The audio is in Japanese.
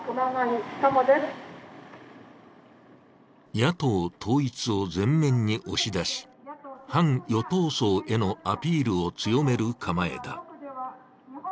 野党統一を前面に押し出し反与党層へのアピールを強める構えだ。